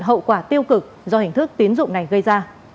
hậu quả tiêu cực do hình thức tiến dụng này gây ra